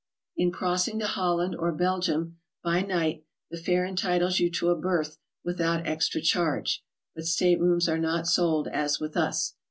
In crossing to Holland or Belgium by night, the fare entitles you to a berth without extra charge, but staterooms are not sold as with us.